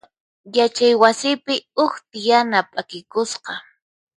Yachay wasipi huk tiyana p'akikusqa.